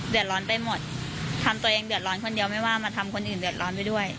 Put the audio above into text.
เดือดร้อนไปหมดทำตัวเองเดือดร้อนคนเดียวไม่ว่ามาทำคนอื่นเดือดร้อนไปด้วย